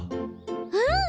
うん！